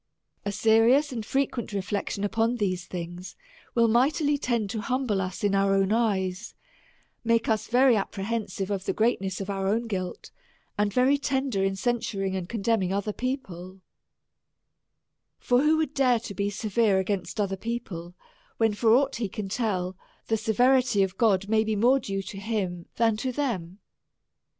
A serious and frequent reflection upon these things will mightily tend to humble us in our own eyeSj make us very apprehensive of the greatness 2k SSH A SERIOUS CALL TO A of our own guilt, and very tender in censuring and condemning other people ; for who would dare to be severe against other people, when, for aught he can tell, the severity of God may be more due to him than to them?